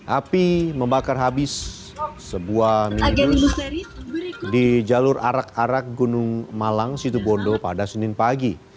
api membakar habis sebuah minibus di jalur arak arak gunung malang situbondo pada senin pagi